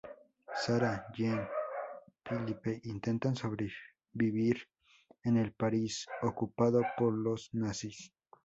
Sara, Jean y Philippe intentan sobrevivir en el París ocupado por los nazis.